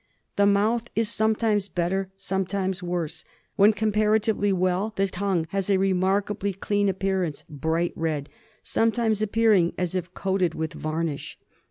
The mouth is sometimes better,, sometimes worse. When comparatively well the tongue has a remarkably clean appearance, bright red, sometimes appearing as if coated with varnish.